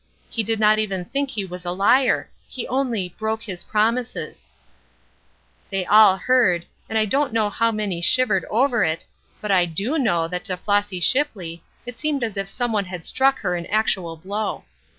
He did not even think he was a liar. He only broke his promises." They all heard, and I don't know how many shivered over it, but I do know that to Flossy Shipley it seemed as if some one had struck her an actual blow.